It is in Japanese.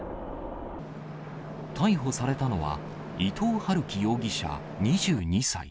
逮捕されたのは、伊藤龍稀容疑者２２歳。